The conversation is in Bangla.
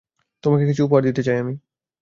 তোমাকে কিছু উপহার দিতে চাই আমি।